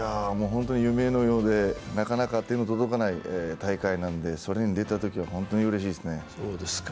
本当に夢のようでなかなか手の届かない大会なのでそれに出たときは本当にうれしいですね。